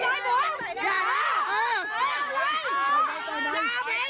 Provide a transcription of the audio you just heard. โอ้ยโอ้ยโอ้ย